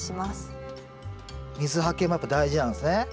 水はけもやっぱ大事なんですね。